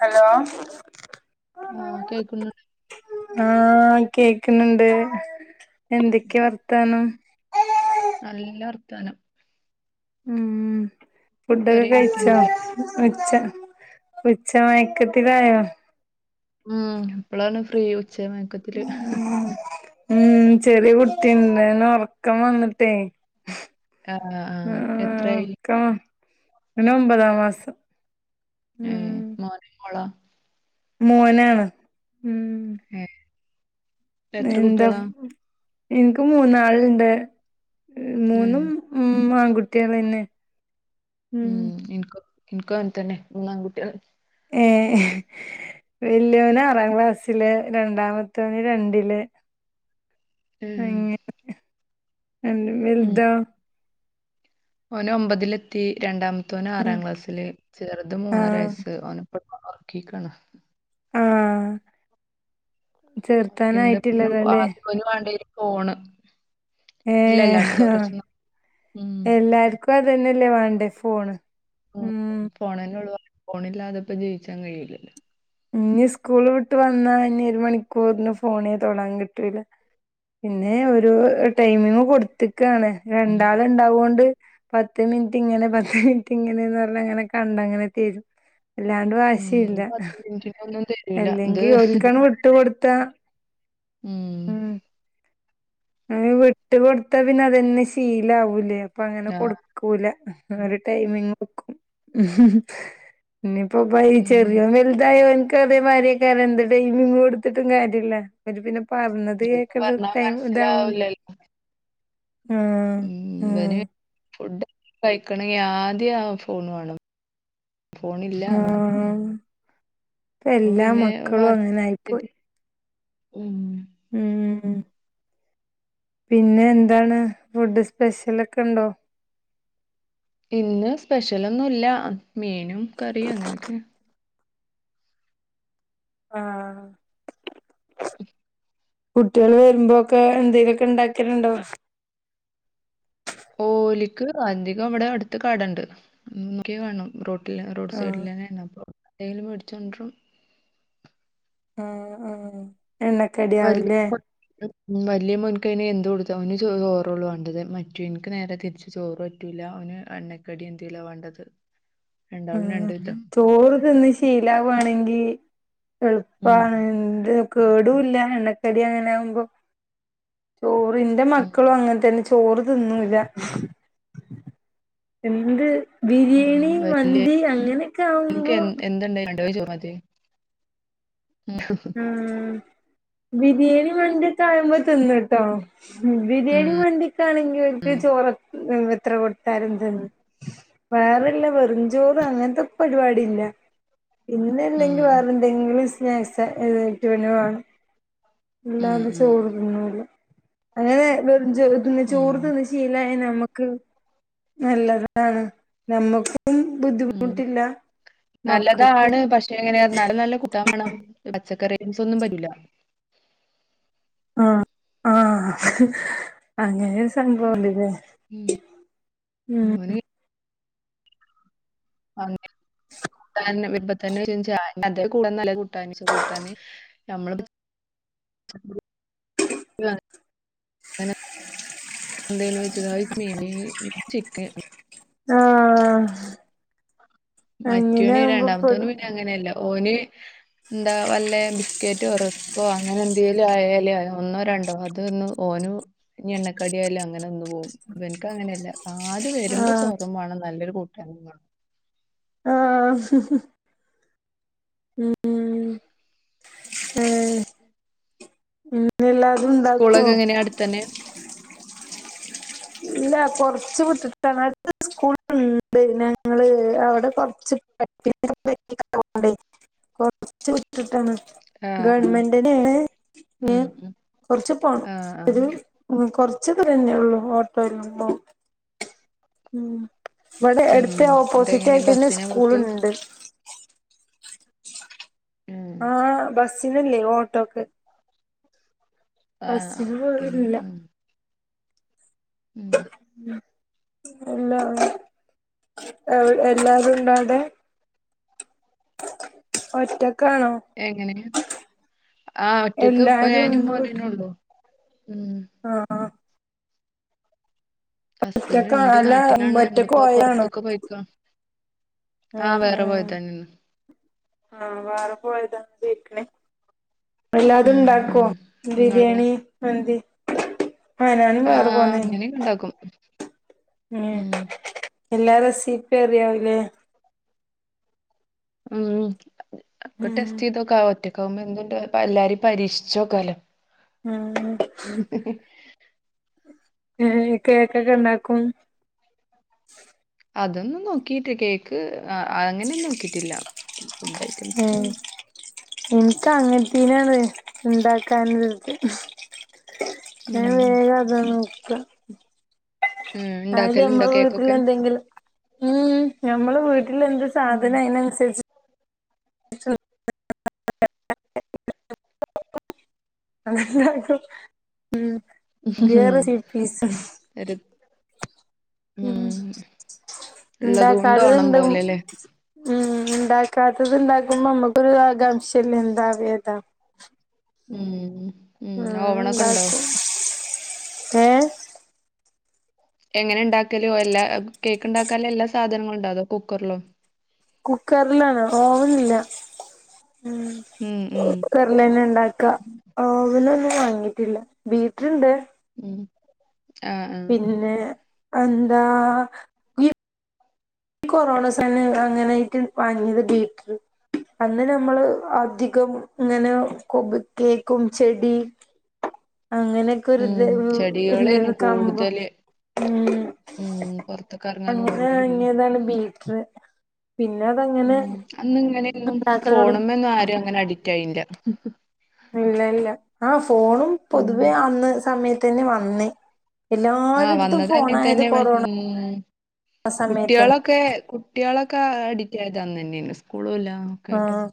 Hello ആഹ് കേക്കുന്നുണ്ട് ആഹ് കേക്കുന്നുണ്ട് എന്തൊക്കെയാ വർത്താനം തനം മ്മ് ഫുഡൊക്കെ ചെറിയ കഴിച്ചോ കുട്ടിയുണ്ടല്ലേ ഉച്ച ഉച്ച മയക്കത്തിലായോ മ്മ് ഇപ്പളാണ് ഫ്രീ ഉച്ച മയക്കത്തില് മ്മ് ചെറിയ കുട്ടിണ്ട് ഓനൊർക്കം വന്നിട്ടേ ആ ആ, അ എത്രയായി ഉറക്കം ഓനൊമ്പതാം മാസം ഏ ഉം മൊനൊ മോളൊ മോനാണ് ഉം ഏ എത്ര എന്താ കുട്ടികളാ ഇൻക്ക് മൂന്നാള്ണ്ട് ഏ മൂന്നും ഉ ആൺകുട്ടി ളെന്നെ മ്മ് ഇൻ ഇനകു അങ്ങൻതന്നെ മൂന്നാകട്ട്യാള് ഏ വല്യോന് ആറാം ക്ലാസ്സില് രണ്ടാമത്തോന് രണ്ടില് ഏ, അങ്ങനെ അൻ്റെ വെൽതോ ഓനൊമ്പതിലെത്തി രണ്ടാമത്തോന് ഉം ആറാം ക്ലാസ്സില് ചെറത് ആഹ് മൂന്നരയസ്സ് ഓന് ഒർക്കീക്ണ് ആ ഒർക്ക്ണ്ട് പിന്നെ ആദ്യം ഓന് വാണ്ടിയെരും ഫോണ് ഏ ഇല്ല ഇല്ല അടുത്ത ആ പ്രാവശ്യം ഉം, എല്ലാർക്കും അതന്നെല്ലേ വാണ്ടേ ഫോണ് ഉം മ്മ് ഫോണെന്നെള്ളു ഫോണില്ലാതെപ്പോ ജീവിചാൻ കയ്യൂല്ലല്ലോ ഇഞ് സ്കൂള് വിട്ട് വന്നാ ഇനി ഒരു മണിക്കൂറിന് ഫോണേ തൊടാൻ കിട്ടൂല പിന്നെ ഒരു ടൈമിങ് കൊടുത്താക്കാണ് ഉം. രണ്ടാള്ണ്ടാവോണ്ട് പത്ത് മിനിറ്റ് ഇങ്ങനെ പത്ത് മിനിറ്റ് ഇങ്ങനെന്ന് റഞ്ഞ്അങ്ങനെ കണ്ടങ്ങനെ തെരും വല്ലാണ്ട് ഉം ഇത് വാശീല്ല പത്ത് മിനിറ്റിനൊന്നും തരൂല ഇത് എല്ലെങ്കി ഓൽക്കാണ് വിട്ട് കൊട്ത്താ ഉം മ്മ് വിട്ട് കൊടുത്താ പിന്നെ അതെന്നെ ശീലവൂലേ അപ്പൊ അങ്ങനെ ആ കൊടുക്കൂല ഒരു ടൈമിങ് വെക്കും പിന്നെ ഇപ്പൊപ്പ ഈ ഉം ചെറിയോൻ വെലൽതായാ ഓൻക് ഓൻകതേ മായിരിയേയ്കാരം എന്ത് ട്ടൈമിങ്ങ് കൊട്ത്ത്ട്ടും കാര്യല്ല ഇവര് പിന്നെ പർഞത് അവർക്ക് കേകണ്ട പറഞ്ഞാ ടൈമ് [unintelligible] ആഹ് ആഹ് - കഴിക്കണെങ്കി ആദ്യ ആ ഫോൺ വാണം ആഹ് - ഇപ്പ അപ്പൊ എല്ലാ പിന്നെ മക്കളും അങ്ങനായിപ്പോയി മ്മ് മ്മ് പിന്നെ എന്താണ് ഫുഡ് സ്പെഷ്യലൊക്കെണ്ടോ? ഇന്ന് സ്പെഷ്യലൊന്നുല്ല മീനും കറിയും അങ്ങനൊക്കെ ആഹ്- [inaudible] കുട്ടികൾ വെരുമ്പോക്കെ എന്തേലൊക്കെ ഇണ്ടാക്കല്ണ്ടോ? ഓലിക്ക് അധികം ഇവിടെ അടുത്ത് കാടണ്ട് നോക്യാ കാണും റോട് റോഡ് ആഹ് സൈഡിലെന്നേണപ്പം എന്തേലും മേടിച്ചൊണ്ട്രും. ആഹ് ആഹ് എണ്ണക്കടി ആവുംലേ മ്മ് വല്ല്യ മോൻകയിന് എന്തു കൊടുത്ത ഓനാ ചോറോള്ളൂ വാണ്ടിയത് മറ്റോൻക് നേരെ തിരിച്ച് ചോറ് പറ്റൂല്ല- ഓന് എണ്ണക്കടി എന്തെലൊ വാണ്ടത്. ഏഹ് ചോറ് തിന്ന് ശീലവാണെങ്കി ഉം. എൾപ്പാണ് ന്ത് കേടൂല്ല എണ്ണക്കടി അങ്ങനെ ആവ്മ്പോ ഓഹ് ന്റെ ഉം. മക്കളും അങ്ങൻ തന്നെ ചോറ് തിന്നൂല്ല. എന്ത്‌ ഉം. ബിരിയാണി, മന്തി അങ്ങനെയൊക്കെ വലിയവനിക്ക് ആവുമ്പോ എന്ത് എന്തുണ്ടായി രണ്ടുപേരും ചോറ് മതി. ആഹ് ബിരിയാണി മന്തിയൊക്കെ ആവ്മ്പോ തിന്നും ട്ടോ. ഉം. ബിരിയാണി മന്തിയൊക്കെ ആണെങ്കി ഓൽക് ഉം. ചോറ [unintelligible] എത്ര കൊട്ത്താലും തിന്നും. വേറെല്ല വെറുംചോറും അങ്ങൻത്തെ പരിപാടില്ല. ഉം. പിന്നെല്ലെങ്കി വേറെന്തെങ്കിലും സ്നാക്ക്സ് [unintelligible] വാണം. ഉം. ഇല്ലാതെ ഉം. ചോറ്ന്നൂല അങ്ങനെ [unintelligible] ഉം. ചോറ് തിന്ന് ശീലായ നമ്മക്ക് നല്ലതാണ് നമ്മക്കും ഉം. ബുദ്ധിമുട്ടില്ല. മക്കൾക്കും നല്ലതാണ്. പശേങ്ങനെ ന്നാലും നല്ല കൂട്ടാൻ മാണം. പച്ചക്കറി [unintelligible] ഒന്നും പറ്റൂല. ആഹ് ആഹ് അങ്ങനെരു സംഭവണ്ട് ലേ. ഉം. ഉം അവന് [unintelligible] [unintelligible] [inaudible] എന്തേലും വെച്ച് താ മീമീമി ചിക്കൻ. ആഹ് അങ്ങനെ മറ്റോന് ആവുമ്പോ രണ്ടാമത്തോന് പെടും പിന്നെ അങ്ങനെല്ല ഓന് ന്താ വല്ലേ ബിസ്കറ്റോ റസ്കോ അങ്ങനെ എന്തേലും ആയാല് ഒന്നോ, രണ്ടോ അത് ന്ന് ഓനു എണ്ണക്കടിയായാലും അങ്ങനെ തിന്നു പോകും ഇവനക് അങ്ങനെയല്ല. ആദ്യ വരുമ്പോ ആഹ് ചോറും വാണം നല്ലൊരു കൂട്ടാനും വാണം. ആ ഹ്ഹ്ഹ്. ആ.. ഇ എല്ലാതും ഉണ്ടാകോ? സ്കൂളൊക്കെ എങ്ങനെയാ അടുത്തന്നെ ഇല്ല കൊറച്ച് [unintelligible] സ്കൂളുണ്ട് ഞങ്ങള് അവിടെ കൊറച്ച് പണ്ടേ [unintelligible] കൊർച് വിട്ടിട്ടാണ്. ആഹ് ആഹ് ഗവണ്മെന്റന്നെ ആണ് ഉം ൻ ഉം കൊറച്ച് പോണം ആഹ് ആഹ് ഒരു കൊറച്ച് ദൂരന്നേ ഉള്ളൂ ഓട്ടോ [unintelligible] ഉം ഇവടെ അടുത്ത് ഉം എന്നിട്ട് ഓപ്പോസിറ്റ് എങ്ങനെ ആയിട്ട ന്നെ ബസ്സിനാ പോക്ക് സ്കൂളുണ്ട്. ഉം ആ ബസിനല്ലേ ഓട്ടോക്ക്. ആഹ് ബസ്സിൽ ആഹ് [unintelligible] ഓട്ടോയില് ഇല്ല. ഉം ഉം എല്ലാ എ എല്ലാരും ഉണ്ടോവടെ? ഒറ്റ എങ്ങനെ ആ ഒറ്റക്ക് ഇപ്പൊ എല്ലാരും ഞാനും ഉണ്ട് വീട്ടി മോനൊന്നെള്ളു. ഉം ആഹ് ഹസ്ബൻഡ് ഒറ്റക്കാ ഉണ്ട് അല്ല നാട്ടിലാണ് ഒറ്റക്ക് ഇന്ന്പ്പോ പൊറത്ത്ക്ക് പൊയ്ക്ക്ണ്. ആ ആ ആ വാറെ പോയതാ എല്ലാതും ഉം ഉം ഉണ്ടാക്കോ നിങ്ങളോ ബിരിയാണി, മന്തി? ആഹ് ഞാനും വേറെ പോന്നേന് ആഹഅങ്ങനെക്കെ ഇണ്ടാക്കും. ഉം എല്ലാ റെസീപിം അറിയാവും ലേ ഉം ഒക്കെ ഉം ടെസ്റ്റ്‌ ചെയ്തോക്കെ ആ ഒറ്റക്ക് ക്കാവുമ്പോ എന്തുണ്ട് എല്ലാരിം പരീക്ഷിച്ചോക്കാലോ ഉം ഏ കേക്കൊക്കെ ഇണ്ടാക്കും. അതൊന്നും നോക്കിട്ട് കേക്ക് അങ്ങനെ നോക്കിട്ടില്ല. ഫുഡ് ഐറ്റംസ് ല് ഇൻക്ക് അങ്ങനത്തേനാണ് ഇണ്ടാക്കാന് ധൃതി ഞാന് വേഗതാ നോക്ക ഉം, ഇന്നാലും ഉണ്ടാക്കലുണ്ടോ ഞമ്മളെ വീട്ടില് കേക്കൊക്കെ എന്തെങ്കിലും ഉം ഞമ്മള് വീട്ടില് എന്ത് ഉം സാധനയിനൻസര്ച്ച് [unintelligible] ഉം പുത്യേ ഉം. റെസീപീസും ഒരു ഉം ഉള്ളത് ഇണ്ടാക്ക കൊണ്ട് ഓണം അതില്ണ്ട് ഉം പോലെല്ലേ ഇണ്ടാക്കാത്തത് ഇണ്ടാക്കുമ്പോ അമ്മക്കൊരു ആകാംക്ഷേല്ലേ എന്താ വേതാ ഉം. ഉം [unintelligible] ഓവണൊക്കെ ഉണ്ടോ ഇണ്ടാക്കും ഏ എങ്ങനെണ്ടാക്കല് എല്ലാ കേക്ക്ണ്ടാക്കാന്ള്ള എല്ലാ സാധനങ്ങളുണ്ടാേ? അതോ കുക്കർലോ കുക്കർലാണ് ഓവൻല്ല. ഉം ഉം ഉം കുക്കർലെന്നെ ഇണ്ടാക്കാ ഓവന് വാങ്ങീട്ടില്ല ബീറ്റ്റ്ണ്ട് ഉം. ആഹ് ആഹ് പിന്നെ എന്താ ഇയ്യ് കൊറോണ സമയം അങ്ങനായിട്ട് വാങ്ങീത് ബീറ്റ്റ് അന്ന് ഞമ്മള് അധികം ഇങ്ങനെ കൊബ് കേക്കും ചെടി അങ്ങനെയൊക്കെ ഒരു ഉം ഇത് ചെടികളേന് ഇല്ലേന്ന് കമ്പും കൂട്തല് ഉം ഉം പൊറത്ത്ക്കെറങ്ങാന് [unintelligible] [unintelligible] പിന്നതങ്ങനെ ഫോണ് മ്മെന്നും ആരും അങ്ങനെ അഡിക്റ്റ് ആയീന്നില ഇല്ല ഇല്ല ആ ഫോണും ഉം പൊതുവേ അന്ന് സമയത്തെന്നെ വന്ന് ആഹ് എല്ലാരട്ത്തും വന്നത് ഫോണായത് കൊറോണ സമയത്തന്നെ കുട്ട്യേളൊക്കെ കുട്ട്യേളെ ക്കെ അഡിക്റ്റ് ആയതന്നെന്നേ ന് സ്കൂളൂല്ല ഒക്കായ്ട്ട് ആഹ്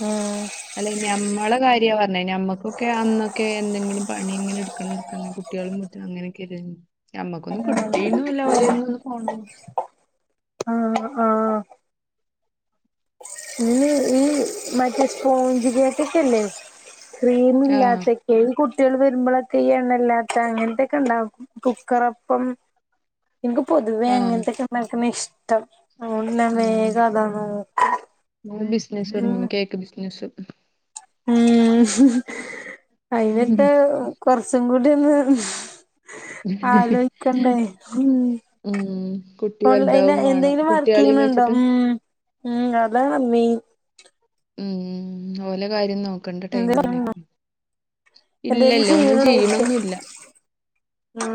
ഉം. അല്ലെ ഞമ്മളെ കാര്യാ പറഞ്ഞത് ഞമ്മക്കൊക്കെ അന്നൊക്കെ എന്തെങ്കിലും പണി ഇങ്ങനെ ഇട്ക്കണം ഇട്ക്കണ കു ട്യോളിം [unintelligible] അങ്ങനെക്കെല്ലെന്നു ഞമ്മക്കൊന്നും കിട്ടീന്നുല്ല ഓലേന്ന് അന്ന് ഫോണൊന്നും ആഹ് ആഹ് ഇന്ന് ഈ മറ്റേ സ്പോഞ്ച് കേക്കൊക്കെല്ലേ ക്രീമ് ആഹ് ഇല്ലാത്ത കേ കുട്ട്യേള് വര്മ്പളൊക്കെ ഈ എണ്ണല്ലാത്ത അങ്ങനത്തെക്കെണ്ടാവും കുക്കറപ്പം ഇൻക്ക് പൊതുവെ ആഹ് അങ്ങനത്തൊക്കെണ്ടാക്കിന്നെ ഇഷ്റ്റം [unintelligible] നാ ഉം വേഗതാ നോ [unintelligible] കേക്ക് ബിസിനസൊക്കെ ഉം.. അയിനൊക്കെ കൊറച്ചും കൂടി ന്ന് ആലോയിക്കണ്ടേ ഉം കുട്ടി ഓൺലൈന് വലുതാവും വേണം എന്തെങ്കിലും കുട്ടികളെയും വർക്കിയിണ്ണ്ണ്ടോ? വെച്ചിട്ട് ഉം ഉം അതാ നമ്മീ ഉം ഓലെ കാര്യം നോക് കണ്ട എന്തെലും ടൈമല്ലേ, എന്തേലും ഇല്ലല്ല ഒന്നും ചെയ്യ്ണൊന്നുല്ല ആ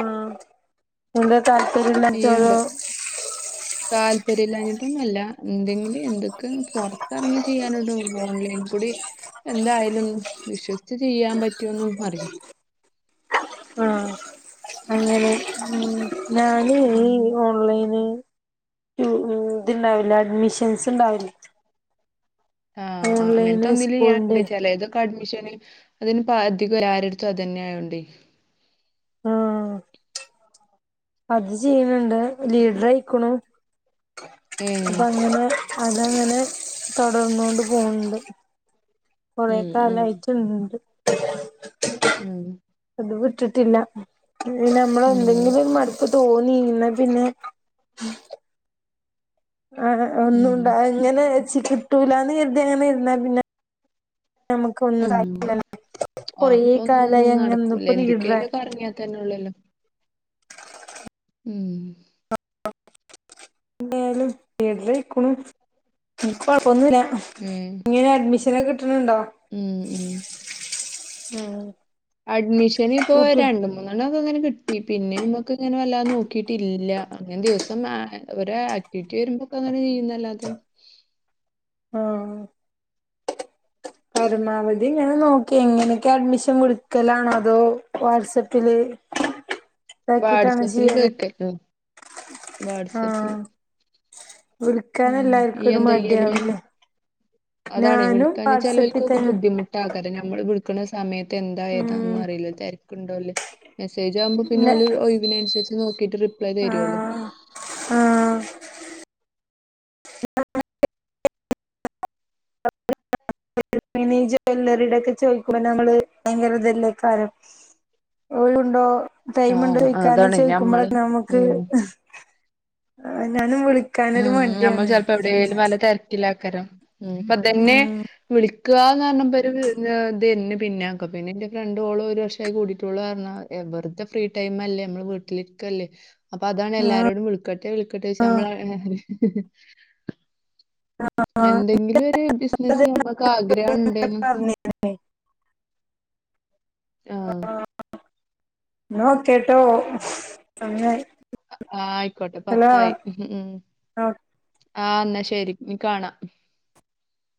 എന്താ താൽപര്യം ഇല്ലാത്ത [unintelligible] ഓരോ താല്പര്യല്ലാഞ്ഞിട്ടൊന്നല്ല ന്തെങ്കിലും എന്തൊക്കെ പൊറത്ത്റങ്ങി ചെയ്യാനോടോ ഓൺലൈന്ക്കുടി എന്തായാലും വിശ്വസിച്ച് ചെയ്യാൻ പറ്റോന്നെന്നും അറിയ് [inaudible] ആഹ് അങ്ങനെ ഉം ഞാന് ഈ ഓൺളെെന് ഇത്ണ്ടാവല്ലേ അഡ്മിഷൻസ്ണ്ടാവല്ലേ ആഹ് അങ്ങൻത്തൊന്നില് ഞാണ്ട് സ്കൂളിന്റെ ചെലെത് അഡ്മിഷന് അതിന് പ അധികം ആരട്ത്തും അതന്നെ ആയോണ്ടെ ആഹ് - അത് ചെയ്യുന്നുണ്ട് ലീഡർയിക്കണു- അപ്പ ഏഹ് അങ്ങനെ അതങ്ങനെ തൊടർന്നോണ്ട് പോന്നുണ്ട്- കൊറെ ഉം ഉം കാലായിട്ടുണ്ട്- ഉം ഇത് വിട്ടിട്ടില്ല നമ്മള ഉം എന്തെങ്കിലും മടു തോന്നീന്ന പിന്നെ - ആ ഉം ഒന്നുംണ്ട ഇങ്ങനെച്ചി കിട്ടൂലന്ന് കരുതി അങ്ങനെ ഇരുന്നാ പിന്നെ- നമുക്ക് ഒന്നും ഉം സാധിക്കില്ലല്ലോ കൊറേ അപ്പ ഒന്നും കാലായി അങ്ങനെ നടക്കൂല ഇപ്പൊ ലീഡറാ എന്തൊക്കെയാല് പറഞ്ഞ തന്നുളളല്ലോ? ഉം. [unintelligible] ഒന്നുല ഉം ഇങ്ങനെ അഡ്മിഷനൊക്കെ കിട്ടീട്ടുണ്ടോ? ഉം ഉം- അഡ്മിഷന് ഇപ്പോ കൂട്ടി രണ്ട് മൂന്ന് - അങ്ങനെ കിട്ടി പിന്നെ നമ്മക്ക് ഇങ്ങനെ വല്ലാതെ നോക്കിട്ടില്ല അങ്ങനെ ദിവസം ഓരോ ആക്ടിവിറ്റി - വേരുമ്പോക്കെ അങ്ങനെ ചെയ്യുന്നല്ലാത- ആഹ് - പരമാവധി ഇങ്ങനെ നോക്കി എങ്ങനെയൊക്കെ അഡ്മിഷൻ കൊടുക്കലാണോ അതോ വാട്സപ്പില്- ഇതാക്കിട്ടാണ് വാട്സപ്പില് ചെയ്യല്- ചോദിക്കല്ലോ വാട്സപ്പില്. ആഹ് വിളിക്കാൻ ഉം ഈ എല്ലാർക്കും ഒരു എന്താ ചെയ്യല്- മടിയാവില്ലേ അതാണ് ഞാനും വിൾക്കാൻ വാട്സപ്പിൽ ചെലർക്കൊക്കെ തന്നെ ബുദ്ധിമുട്ടാ ആൾക്കാര് ഞങ്ങൾ വിളി ക്കണ സമയത്ത് എന്താ ഉം ഏതാന്നൊന്ന് അറിയില്ല തിരക്കുണ്ടോ ഇല്ലി മെസ്സേജ് ആവ്മ്പോ പിന്നെ ഓല് ന്നെ ഒയ്വിനൻസര്ച്ച് നോക്കിട്ട് റിപ്ലൈ തരോല്ലോ. ആഹ് ആഹ് [inaudible] [unintelligible] ജൊല്ലറീടെക്കെ ചോയ്ക്കുമ്പോ ഞമ്മള് ഭയങ്കരതല്ലേക്കാരം. ഒഴുണ്ടോ ടൈമ്ണ്ടോ ആഹ് ചോയ്ക്കാന അതാണ് ചോയ്ക്കുമ്പൊള ഞമ്മള് ന്നെമ്മക്ക് ഉം ആ നാനും വിളി ഉം നമ്മൾ ചെൽപ്പോ എവിടേലും നല്ല തെര്ക്കിലാക്കാരം പ്പം ഇതന്നെ ഉം വിളി കാന്ന് അർഞ്ഞപ്പൊ ഒരു ഇതേനി പിന്നെ ആക്ക പിന്നെ ന്റെ ഫ്രണ്ട് ഓള് ഒരു വർഷായി കൂടിട്ട് ഓള് അർഞ്ഞു വെറുതെ ഫ്രീ ടൈം അല്ലേ നമ്മള് വീട്ടിലിരിക്കല്ലേ. അപ്പൊ അതാണ് ആഹ് എല്ലാരോടും വിളക്കട്ടെ വിളക്കട്ടെ ആഹ് [unintelligible] ആഹ് എന്തെങ്കിലും ഒരു ബിസിനസ്‌ അത് ഞമ്മക്ക് ആവശ്യം ണ്ടാണും പറഞ്ഞിരുന്നേ ആ എന്നോ ഓകെ ട്ടോ അ. ആ ആയിക്കോട്ടെ പത്തായി ഉ. ആഹ എന്നാ ശെരി നീ കാണാം